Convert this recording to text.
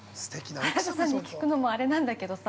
原田さんに聞くのもあれなんだけどさ。